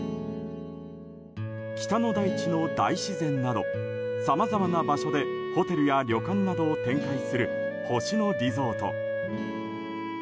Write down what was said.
北の大地の大自然などさまざまな場所でホテルや旅館などを展開する星野リゾート。